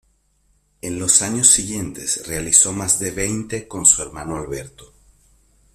En los años siguientes realizó más de veinte con su hermano Alberto.